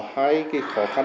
hai cái khó khăn